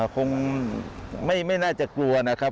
คงไม่น่าจะกลัวนะครับ